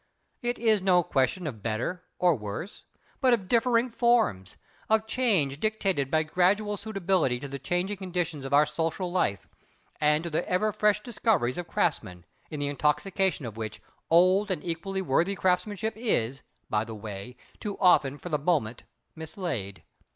It is no question of better or worse, but of differing forms—of change dictated by gradual suitability to the changing conditions of our social life, and to the ever fresh discoveries of craftsmen, in the intoxication of which, old and equally worthy craftsmanship is—by the way—too often for the moment mislaid.